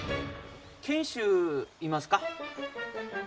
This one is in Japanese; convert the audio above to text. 賢秀いますか？